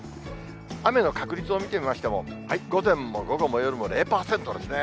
雨の確率を見てみましても、午前も午後も夜も０％ですね。